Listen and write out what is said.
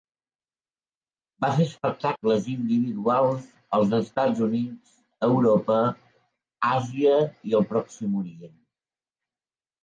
Va fer espectacles individuals als Estats Units, Europa, Àsia i el Pròxim Orient.